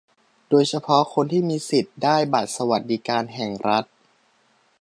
โดยเฉพาะคนที่มีสิทธิ์ได้บัตรสวัสดิการแห่งรัฐ